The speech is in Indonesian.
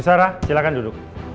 bu sara silahkan duduk